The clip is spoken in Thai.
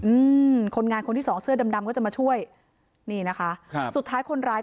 อืมคนงานคนที่สองเสื้อดำดำก็จะมาช่วยนี่นะคะครับสุดท้ายคนร้าย